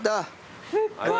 すっごい。